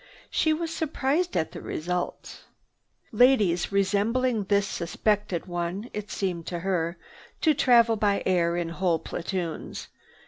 She was surprised at the results. Ladies resembling this suspected one began, it seemed to her, to travel by air in whole platoons.